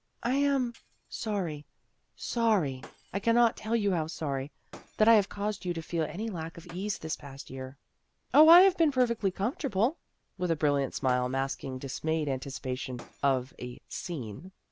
" I am sorry, sorry I cannot tell you how sorry that I have caused you to feel any lack of ease this past year." " Oh, I have been perfectly comfort able," with a brilliant smile masking dis mayed anticipation of a "scene."